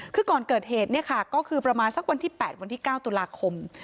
คือก่อนเกิดเหตุเนี่ยค่ะก็คือประมาณสักวันที่๘วันที่๙ตุลาคม